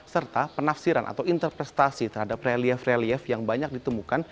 serta penafsiran atau interpretasi terhadap relief relief yang banyak ditemukan